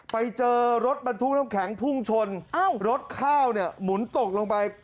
ไปเจอรถบรรทุกน้ำแข็งพุ่งชนรถข้าวเนี่ยหมุนตกลงไป